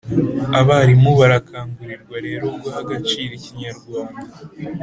abarimu barakangurirwa rero guha agaciro ikinyarwanda